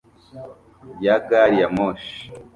ya gari ya moshi